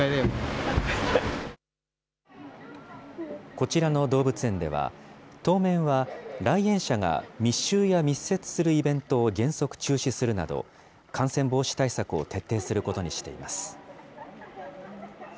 こちらの動物園では、当面は来園者が密集や密接するイベントを原則中止するなど、感染防止対策を徹底することにしています。